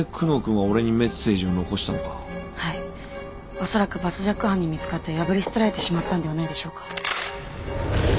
おそらくバスジャック犯に見つかって破り捨てられてしまったんではないでしょうか。